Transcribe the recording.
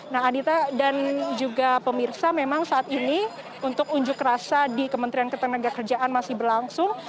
nah adita dan juga pemirsa memang saat ini untuk unjuk rasa di kementerian ketenagakerjaan masih berlangsung